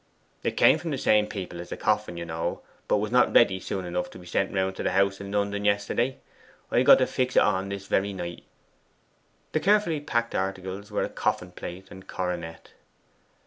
'It came from the same people as the coffin, you know, but was not ready soon enough to be sent round to the house in London yesterday. I've got to fix it on this very night.' The carefully packed articles were a coffin plate and coronet.